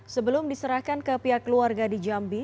sebelum diserahkan ke pihak keluarga di jambi